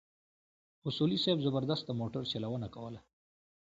اصولي صیب زبردسته موټرچلونه کوله.